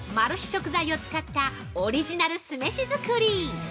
食材を使ったオリジナル酢飯作り。